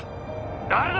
「誰だ？